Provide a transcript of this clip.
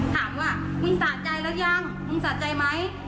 ถามว่ามึงสะใจแล้วยังมึงสะใจไหม